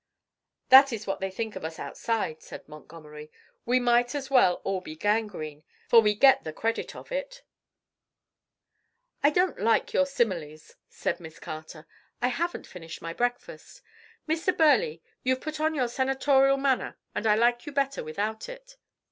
"That is what they think of us outside," said Montgomery. "We might as well all be gangrene, for we get the credit of it." "I don't like your similes," said Miss Carter; "I haven't finished my breakfast. Mr. Burleigh, you've put on your senatorial manner and I like you better without it.